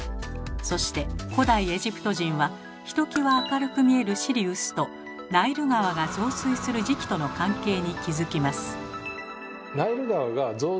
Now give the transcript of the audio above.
そして古代エジプト人はひときわ明るく見えるシリウスとナイル川が増水する時期との関係に気付きます。